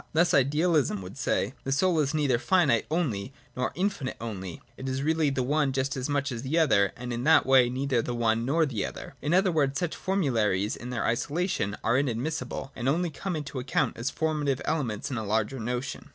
Thus ideal ism would say :— The soul is neither finite only, nor infinite only ; it is really the one just as much as the other, and in that way neither the one nor the other. In other words, such formularies in their isolation are inadmissible, and only come into account as formative elements in a larger notion.